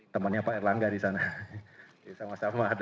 temannya pak erlangga disitu